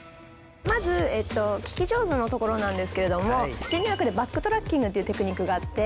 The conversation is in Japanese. まず聞き上手のところなんですけれども心理学でバックトラッキングっていうテクニックがあって。